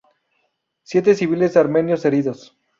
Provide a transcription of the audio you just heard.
Siete civiles armenios heridos.